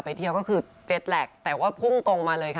เที่ยวก็คือเจ็ดแล็กแต่ว่าพุ่งตรงมาเลยค่ะ